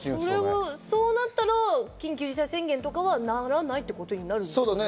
そうなったら緊急事態宣言とかは、ならないってことになるんですよね。